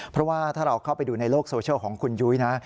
เพราะว่าถ้าเราเข้าไปดูในโลกโซเชียลของคุณยุ้ยนะ